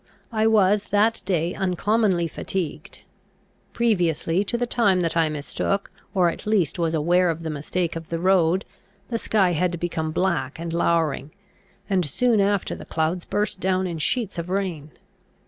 I was that day uncommonly fatigued. Previously to the time that I mistook, or at least was aware of the mistake of the road, the sky had become black and lowring, and soon after the clouds burst down in sheets of rain.